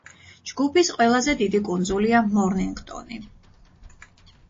ჯგუფის ყველაზე დიდი კუნძულია მორნინგტონი.